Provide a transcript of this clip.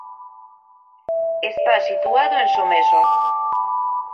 Está situado en Someso.